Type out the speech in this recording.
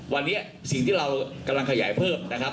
วันนี้สิ่งที่เรากำลังขยายเพิ่มนะครับ